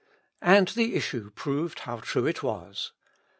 And the issue proved how true it was.